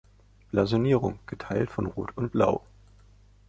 Blasonierung: „Geteilt von Rot und Blau.